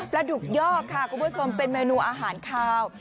ดุกยอกค่ะคุณผู้ชมเป็นเมนูอาหารคาว